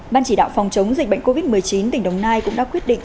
ban chỉ đạo phòng chống dịch bệnh covid một mươi chín tỉnh đồng nai cũng đã quyết định